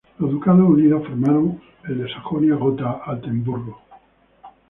Los ducados unidos formaron el de Sajonia-Gotha-Altenburgo.